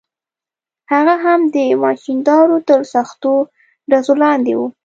هغه هم د ماشیندارو تر سختو ډزو لاندې و.